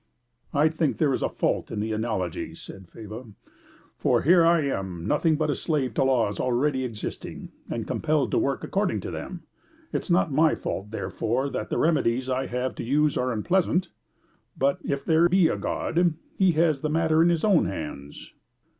"I think there is a fault in the analogy," said Faber. "For here am I nothing but a slave to laws already existing, and compelled to work according to them. It is not my fault therefore that the remedies I have to use are unpleasant. But if there be a God, he has the matter in his own hands."